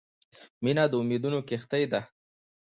• مینه د امیدونو کښتۍ ده.